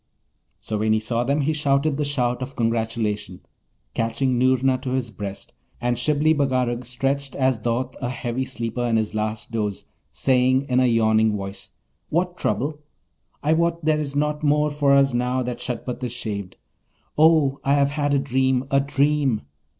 So when he saw them, he shouted the shout of congratulation, catching Noorna to his breast, and Shibli Bagarag stretched as doth a heavy sleeper in his last doze, saying, in a yawning voice, 'What trouble? I wot there is nought more for us now that Shagpat is shaved! Oh, I have had a dream, a dream!